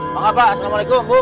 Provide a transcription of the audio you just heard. makasih pak assalamualaikum bu